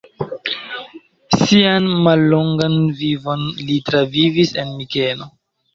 Sian mallongan vivon li travivis en Mikeno.